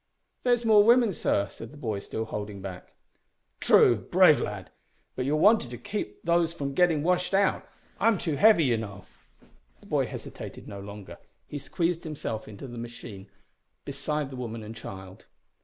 "There's more women, sir," said the boy, still holding back. "True brave lad! but you're wanted to keep these from getting washed out. I am too heavy, you know." The boy hesitated no longer. He squeezed himself into the machine beside the woman and child.